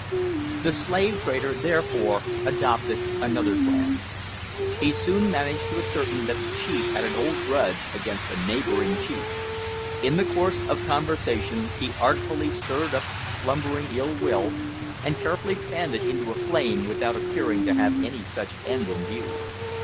The slave trader therefore adopted another plan. He soon managed to ascertain that the chief had an old grudge against a neighbouring chief. In the course of conversation he artfully stirred up the slumbering ill will, and carefully fanned it into a flame without appearing to have any such end in view.